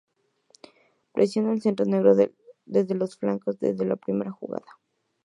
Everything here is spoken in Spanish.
Presiona el centro negro desde los flancos, desde la primera jugada.